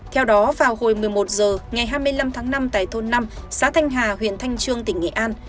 theo đó vào hồi một mươi một h ngày hai mươi năm tháng năm tại thôn năm xã thanh hà huyện thanh trương tỉnh nghệ an